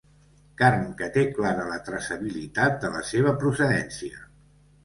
Carn que té clara la traçabilitat de la seva procedència.